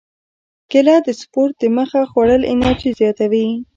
کېله د سپورت دمخه خوړل انرژي زیاتوي.